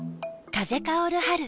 風薫る春。